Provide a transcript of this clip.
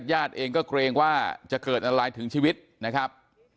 แยกแยดเองก็เกรงว่าจะเกิดอะไรถึงชีวิตนะครับ